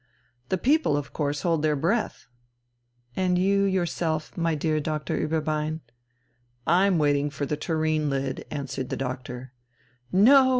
"The people of course hold their breath." "And you, you yourself, my dear Doctor Ueberbein?" "I'm waiting for the tureen lid," answered the doctor. "No!"